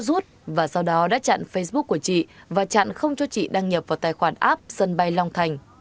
rút và sau đó đã chặn facebook của chị và chặn không cho chị đăng nhập vào tài khoản app sân bay long thành